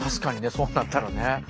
そうなったらね。